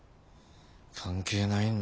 関係ないんだ。